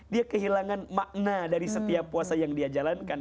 dia kehilangan makna dari setiap puasa yang dia jalankan